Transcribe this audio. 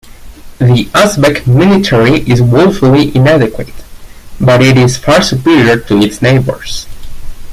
The Uzbek military is woefully inadequate, but it is far superior to its neighbours.